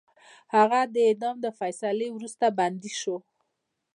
هغه د اعدام د فیصلې وروسته بندي شو.